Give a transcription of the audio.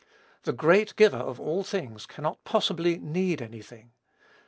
The great Giver of "all things" cannot possibly "need any thing."